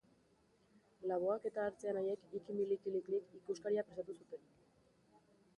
Laboak eta Artze anaiek Ikimilikiliklik ikuskaria prestatu zuten